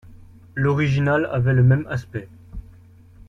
L'originale avait le même aspect.